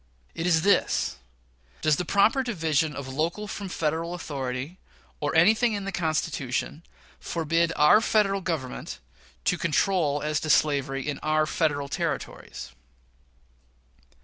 It is this: Does the proper division of local from Federal authority, or anything in the Constitution, forbid our Federal Government to control as to slavery in our Federal Territories?